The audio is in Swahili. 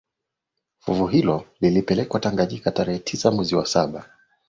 Fuvu hilo lilipelekwa Tanganyika tarehe tisa mwezi wa saba